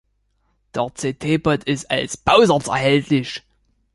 Der c’t-Bot ist als Bausatz erhältlich.